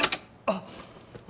あっ。